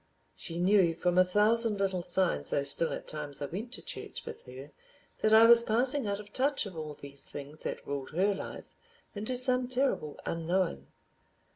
She knew from a thousand little signs—though still at times I went to church with her—that I was passing out of touch of all these things that ruled her life, into some terrible unknown.